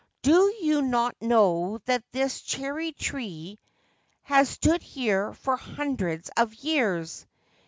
Do you not know that this cherry tree has stood here for hundreds of years?